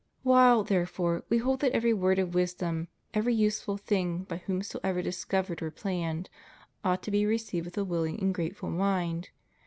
While, therefore, We hold that every word of wisdom, every useful thing by whomsoever discovered or planned, ought to be received with a wilUng and grateful mind.